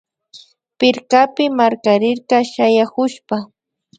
Pirkapi markarirka shayakushpa